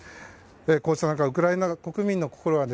こうした中ウクライナ国民の心は